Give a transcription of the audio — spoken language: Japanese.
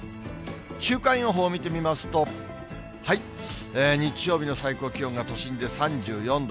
週間予報を見てみますと、日曜日の最高気温が、都心で３４度。